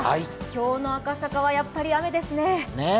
今日の赤坂はやっぱり雨ですね。